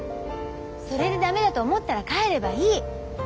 それで駄目だと思ったら帰ればいい。